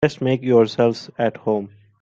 Just make yourselves at home.